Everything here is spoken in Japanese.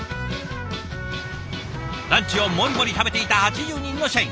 ランチをモリモリ食べていた８０人の社員。